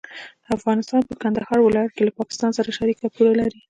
افغانستان په کندهار ولايت کې له پاکستان سره شریکه پوله لري.